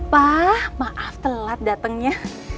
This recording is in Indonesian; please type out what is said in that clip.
pak maaf telat datengnya